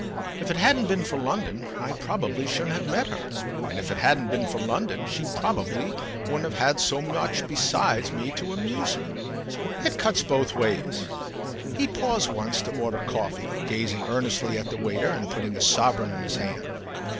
If it hadn't been for London I probably shouldn't have met her, and if it hadn't been for London she probably wouldn't have had so much besides me to amuse her. It cuts both ways." He paused once to order coffee, gazing earnestly at the waiter and putting a sovereign in his hand.